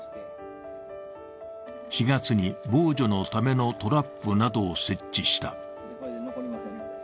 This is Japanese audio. ４月に防除のためのトラップなどを設置した。